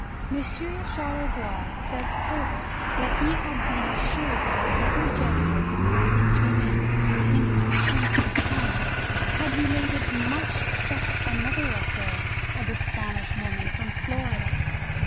Monsieur Charlevoix, says further, that he had been assured by another Jesuit, passing through Nantz, in his return from China, had related much such another affair of a Spanish woman from Florida.